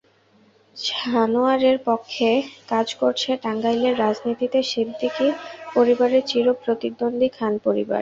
ছানোয়ারের পক্ষে কাজ করছে টাঙ্গাইলের রাজনীতিতে সিদ্দিকী পরিবারের চির প্রতিদ্বন্দ্বী খান পরিবার।